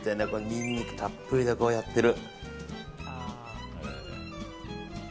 ニンニクたっぷりでやってる。